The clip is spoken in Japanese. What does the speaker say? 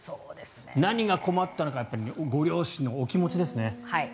何が困ったか両親のお気持ちですね。